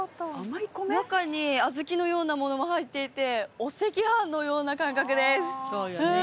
中に小豆のようなものも入っていてお赤飯のような感覚です